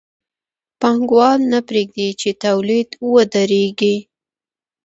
پانګوال نه پرېږدي چې تولید ودرېږي